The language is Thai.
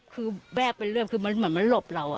คือแวบเป็นเรื่องคือมันเหมือนมันหลบเรา